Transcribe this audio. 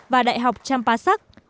và đại học champasak